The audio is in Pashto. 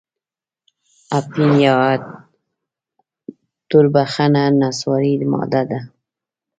اپین یوه توربخنه نسواري ماده ده.